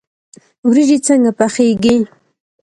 وریجې څنګه پخیږي؟